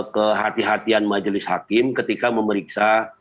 kehatian majelis hakim ketika memeriksa